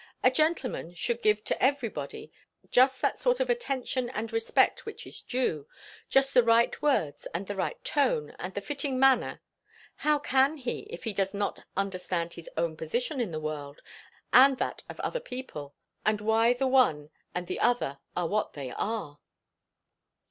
A gentleman should give to everybody just that sort of attention and respect which is due; just the right words and the right tone and the fitting manner; how can he, if he does not understand his own position in the world and that of other people? and why the one and the other are what they are."